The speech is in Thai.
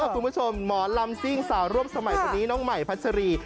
คุณผู้ชมหมอลำซิ่งสาวร่วมสมัยคนนี้น้องใหม่พัชรี